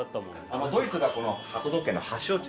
ドイツが鳩時計の発祥地。